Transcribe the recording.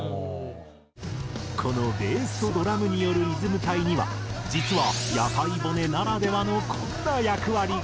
このベースとドラムによるリズム隊には実は屋台骨ならではのこんな役割が。